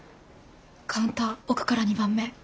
カウンター奥から２番目。